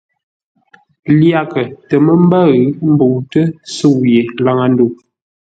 Lyaghʼə tə mə́ ḿbə́ʉ ḿbə́utə́ sə̌u yé laŋə́ ndəu.